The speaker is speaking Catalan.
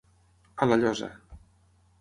A la llosa.